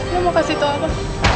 lo mau kasih tau apa